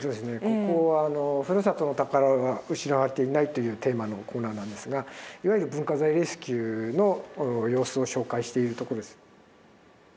ここは「故郷の宝が失われていない」というテーマのコーナーなんですがいわゆる文化財レスキューの様子を紹介しているとこです。